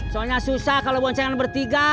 soalnya susah kalau boncengan bertiga